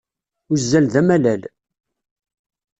Uzzal d amalal.